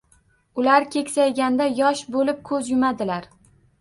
Ular keksayganda yosh bo’lib ko’z yumadilar.